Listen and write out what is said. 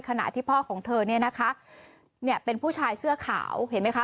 ขณะที่พ่อของเธอเนี่ยนะคะเนี่ยเป็นผู้ชายเสื้อขาวเห็นไหมคะ